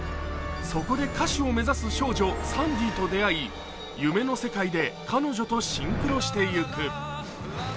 そこで歌手を目指す少女サンディと出会い、夢の世界で彼女とシンクロしていく。